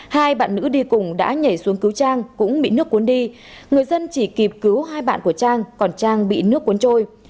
hai bạn nữ đi cùng đã nhảy xuống cứu trang cũng bị nước cuốn đi người dân chỉ kịp cứu hai bạn của trang còn trang bị nước cuốn trôi